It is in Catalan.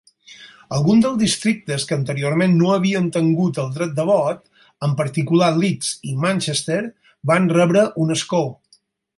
Alguns dels districtes que anteriorment no havien tingut el dret de vot, en particular Leeds i Manchester, van rebre un escó.